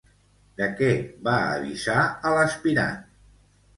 De què va avisar a l'aspirant?